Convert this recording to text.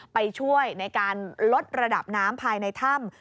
ไปช่วยในการลดระดับน้ำภายในถ้ำ